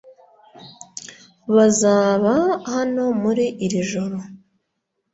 Bazaba hano muri iri joro .